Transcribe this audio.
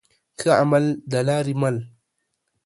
ښه عمل دلاري مل